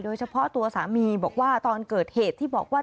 โดยเฉพาะตัวสามีบอกว่าตอนเกิดเหตุที่บอกว่า